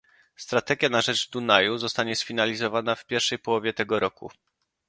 Strategia na rzecz Dunaju zostanie sfinalizowana w pierwszej połowie tego roku